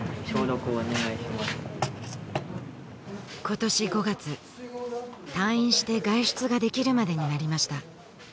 今年５月退院して外出ができるまでになりました